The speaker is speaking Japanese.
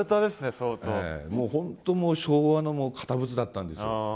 本当もう昭和の堅物だったんですよ。